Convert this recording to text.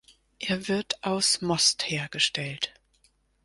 Er wird aus Most hergestellt.